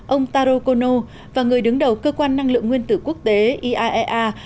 ông taro kono và người đứng đầu cơ quan năng lượng nguyên tử quốc tế iaea